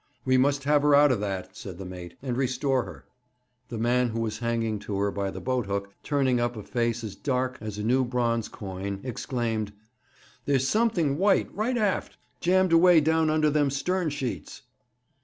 'We must have her out of that,' said the mate, 'and restore her.' The man who was hanging to her by the boathook, turning up a face as dark as a new bronze coin, exclaimed: 'There's something white right aft, jammed away down under them stern sheets.'